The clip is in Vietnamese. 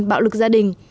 bạo lực gia đình